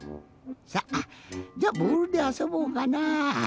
さあじゃボールであそぼうかなあ。